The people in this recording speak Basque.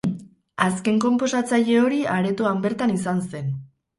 Azken konposatzaile hori aretoan bertan izan zen.